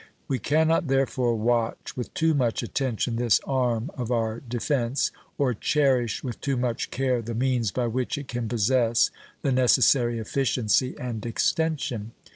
We can not, therefore, watch with too much attention this arm of our defense, or cherish with too much care the means by which it can possess the necessary efficiency and extension.